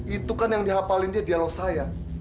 itu kan yang di hapalin dia dialog saya